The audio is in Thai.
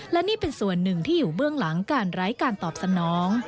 และนี่เป็นส่วนหนึ่งที่อยู่เบื้องหลังการไร้การตอบสนอง